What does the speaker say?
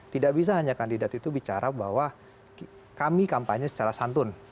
tidak bisa hanya kandidat itu bicara bahwa kami kampanye secara santun